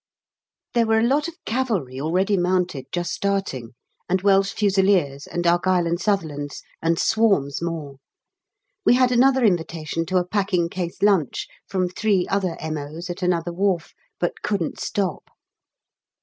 There were a lot of Cavalry already mounted just starting, and Welsh Fusiliers, and Argyll and Sutherlands, and swarms more. We had another invitation to a packing case lunch from three other M.O.'s at another wharf, but couldn't stop.